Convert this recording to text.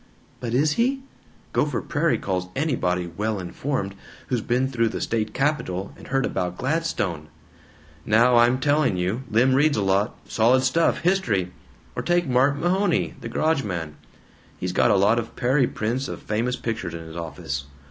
"But IS he? Gopher Prairie calls anybody 'well informed' who's been through the State Capitol and heard about Gladstone." "Now I'm telling you! Lym reads a lot solid stuff history. Or take Mart Mahoney, the garageman. He's got a lot of Perry prints of famous pictures in his office.